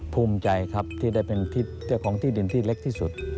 ภูมิใจครับที่ได้เป็นเจ้าของที่ดินที่เล็กที่สุด